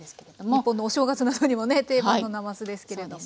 日本のお正月などにもね定番のなますですけれども。